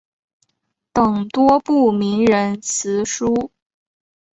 等多部名人辞书。